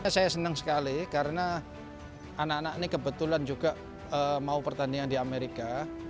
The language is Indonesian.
saya senang sekali karena anak anak ini kebetulan juga mau pertandingan di amerika